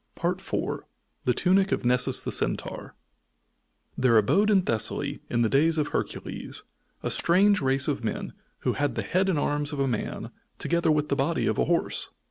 IV THE TUNIC OF NESSUS THE CENTAUR There abode in Thessaly, in the days of Hercules, a strange race of men who had the head and arms of a man together with the body of a horse.